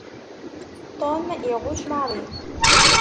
Tom iɣucc Mary.